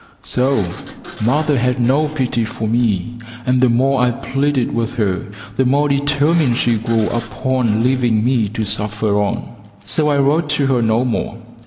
So! Mother had no pity for me, and the more I pleaded with her the more determined she grew upon leaving me to suffer on, so I wrote to her no more.